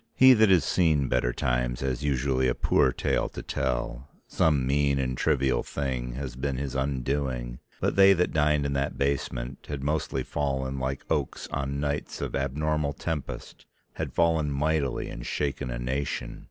He that has seen better times has usually a poor tale to tell, some mean and trivial thing has been his undoing, but they that dined in that basement had mostly fallen like oaks on nights of abnormal tempest, had fallen mightily and shaken a nation.